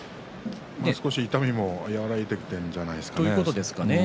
少し痛みも和らいできているんじゃないですかね。